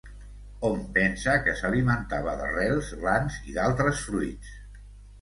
Hom pensa que s'alimentava d'arrels, glans i d'altres fruits.